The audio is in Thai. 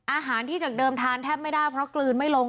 อาหารที่จากเดิมทานแทบไม่ได้เพราะกลืนไม่ลง